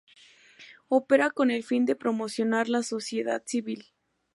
Opera con el fin de promocionar la sociedad civil.